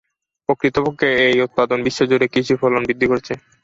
প্রকৃতপক্ষে, এই উৎপাদন বিশ্বজুড়ে কৃষি ফলন বৃদ্ধি করেছে।